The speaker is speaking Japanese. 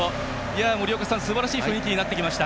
森岡さん、すばらしい雰囲気になってきました。